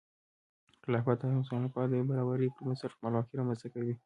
خلافت د هر مسلمان لپاره د یو برابري پر بنسټ خپلواکي رامنځته کوي.